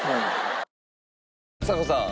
ちさ子さん